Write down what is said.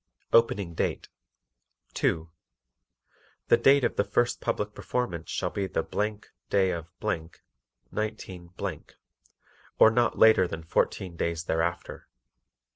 Opening Date 2. The date of the first public performance shall be the day of , 19 , or not later than fourteen days thereafter.